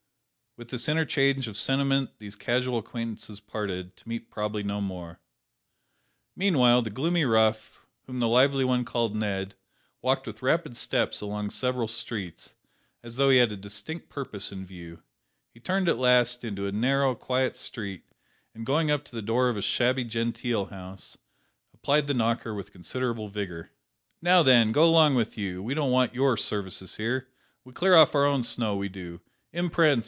With this interchange of sentiment these casual acquaintances parted, to meet probably no more! Meanwhile the gloomy rough, whom the lively one had called Ned, walked with rapid steps along several streets, as though he had a distinct purpose in view. He turned at last into a narrow, quiet street, and going up to the door of a shabby genteel house, applied the knocker with considerable vigour. "Now then, go along with you; we don't want your services here; we clear off our own snow, we do. Imprence!